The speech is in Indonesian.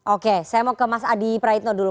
oke saya mau ke mas adi praitno dulu